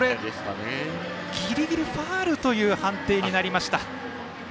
ギリギリファウルという判定になりました。